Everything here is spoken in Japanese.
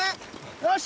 よし！